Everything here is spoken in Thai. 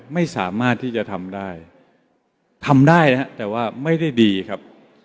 ไม่สามารถที่จะทำได้ทำได้นะครับแต่ว่าไม่ได้ดีครับ